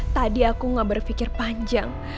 tadi aku gak berpikir panjang